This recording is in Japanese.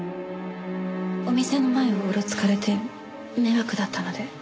お店の前をうろつかれて迷惑だったので。